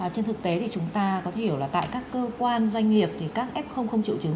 trên thực tế thì chúng ta có hiểu là tại các cơ quan doanh nghiệp thì các f không triệu chứng